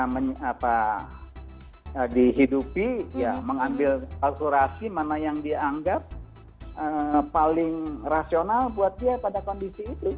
jadi itu adalah hal yang harus dihidupi ya mengambil fasilitas mana yang dianggap paling rasional buat dia pada kondisi itu